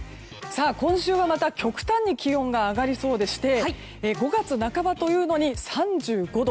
今週はまた極端に気温が上がりそうでして５月半ばというのに３５度。